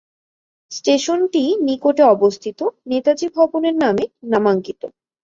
স্টেশনটি নিকটে অবস্থিত নেতাজি ভবনের নামে নামাঙ্কিত।